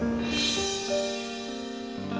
jadi itu tujuan lo